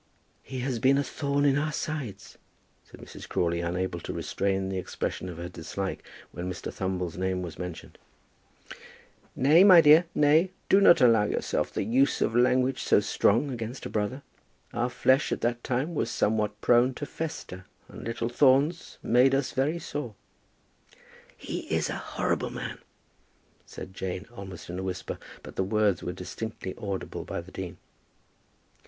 "He has been a thorn in our sides," said Mrs. Crawley, unable to restrain the expression of her dislike when Mr. Thumble's name was mentioned. "Nay, my dear, nay; do not allow yourself the use of language so strong against a brother. Our flesh at that time was somewhat prone to fester, and little thorns made us very sore." "He is a horrible man," said Jane, almost in a whisper; but the words were distinctly audible by the dean.